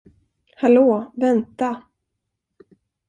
Hallå, vänta!